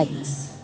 chính vì thế